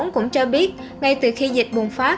cũng cho biết ngay từ khi dịch bùng phát